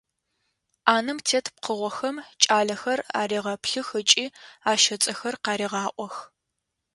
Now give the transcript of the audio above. Ӏанэм тет пкъыгъохэм кӏалэхэр арегъэплъых ыкӏи ащ ацӏэхэр къарегъаӏох.